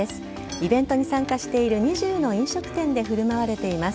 イベントに参加している２０の飲食店で振る舞われています。